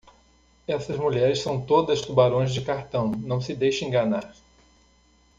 Essas mulheres são todas tubarões de cartão, não se deixe enganar.